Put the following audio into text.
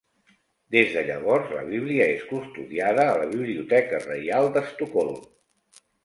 Des de llavors, la Bíblia és custodiada a la Biblioteca Reial d'Estocolm.